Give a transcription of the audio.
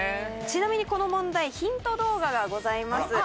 ちなみにこの問題ヒント動画がございます。